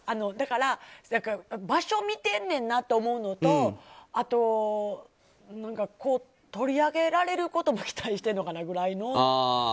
場所を見てんねんなって思うのとあと、取り上げられることも期待してるのかな？ぐらいの。